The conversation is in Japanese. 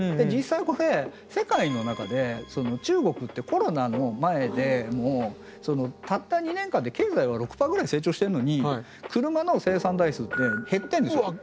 実際これ世界の中で中国ってコロナの前でもたった２年間で経済は６％ぐらい成長してるのに車の生産台数って減ってるんですよ。